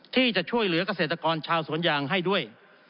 ที่จะช่วยเหลือกเกษตรกรชาวสวนยางให้ด้วย